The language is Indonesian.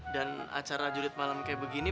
dan acara jurit malam kayak begini